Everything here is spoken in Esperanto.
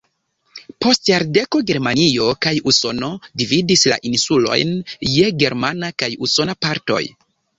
Post jardeko Germanio kaj Usono dividis la insulojn je germana kaj usona partoj.